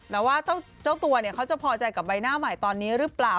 แล้วว่าเจ้าตัวเนี่ยเขาจะพอใจกับใบหน้าใหม่ตอนนี้หรือเปล่า